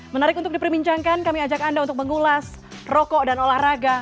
menarik untuk diperbincangkan kami ajak anda untuk mengulas rokok dan olahraga